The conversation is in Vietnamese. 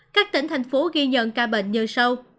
các tỉnh thành phố ghi nhận ca bệnh như sâu